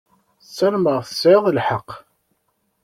Sarameɣ tesεiḍ lḥeqq.